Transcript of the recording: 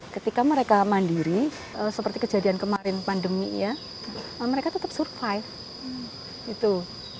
ketika mereka mandiri seperti kejadian kemarin pandemi ya mereka tetap survive gitu